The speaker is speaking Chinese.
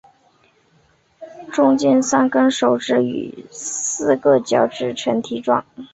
中间三跟手指与四个脚趾呈蹄状。